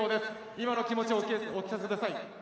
今の気持ちをお聞かせください。